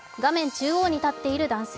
中央に立っている男性。